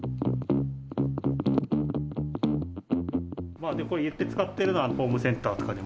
まあでもこれ言って使ってるのはホームセンターとかでも。